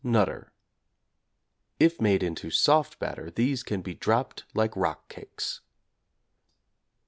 'Nutter.' (If made into soft batter these can be dropped like rock cakes).